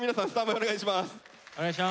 お願いします。